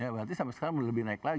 berarti sampai sekarang lebih naik lagi